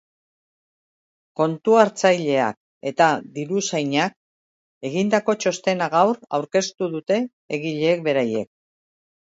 Kontu-hartzaileak eta diruzainak egindako txostena gaur aurkeztu dute, egileek beraiek.